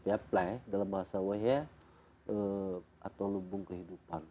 pea pley dalam bahasa wehea atau lumbung kehidupan